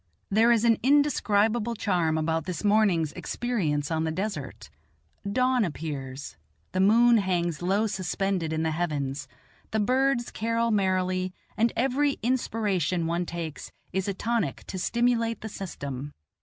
There is an indescribable charm about this morning's experience on the desert; dawn appears, the moon hangs low suspended in the heavens, the birds carol merrily, and every inspiration one takes is a tonic to stimulate the system.